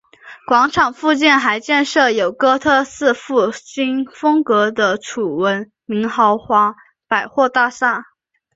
广场附近还建设有哥特式复兴风格的楚闻明豪华百货大厦。